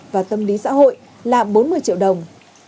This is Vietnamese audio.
và tâm lý xã hội là bốn mươi triệu đồng